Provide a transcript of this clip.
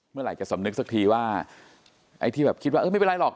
เมื่อไหร่จะสำนึกสักทีว่าไอ้ที่แบบคิดว่าเออไม่เป็นไรหรอก